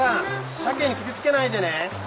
鮭に傷つけないでね。